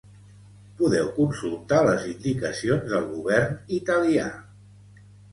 Podeu consultar les indicacions del govern italià.